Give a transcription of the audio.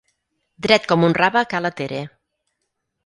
Dret com un rave a ca la Tere.